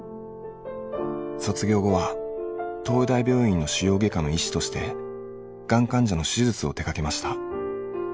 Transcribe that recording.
卒業後は東大病院の腫瘍外科の医師としてがん患者の手術を手がけました。